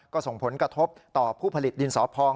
ก็ส่งผลกระทบต่อผู้ผลิตดินสอพอง